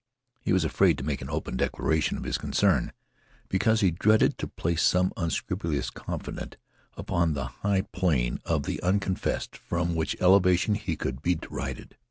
He was afraid to make an open declaration of his concern, because he dreaded to place some unscrupulous confidant upon the high plane of the unconfessed from which elevation he could be derided.